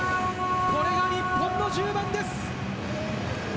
これが日本の１０番です！